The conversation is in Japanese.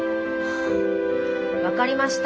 分かりました。